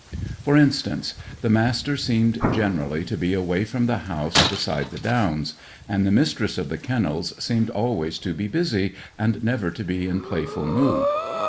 For instance, the Master seemed generally to be away from the house beside the Downs; and the Mistress of the Kennels seemed always to be busy, and never to be in playful mood.